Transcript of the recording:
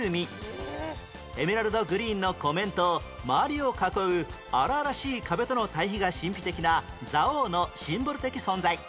エメラルドグリーンの湖面と周りを囲う荒々しい壁との対比が神秘的な蔵王のシンボル的存在